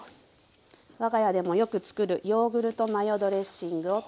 我が家でもよく作るヨーグルトマヨドレッシングを作っていきます。